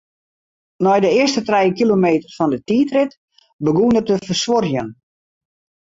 Nei de earste trije kilometer fan 'e tiidrit begûn er te fersuorjen.